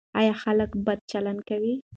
ایا خلک بد چلند کوي؟